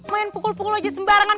main pukul pukul aja sembarangan